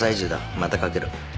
またかける。